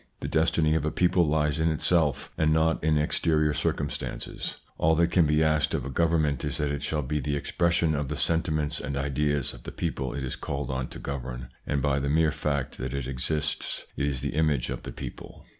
The destiny of a people lies in itself, and not in exterior circumstances. All that can be asked of a government is that it shall be the expression of the sentiments and ideas of the people it is called on to govern, and by the mere fact that it exists, it is the image of the people.